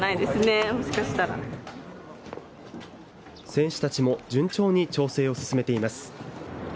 選手たちも順調に調整を進めています。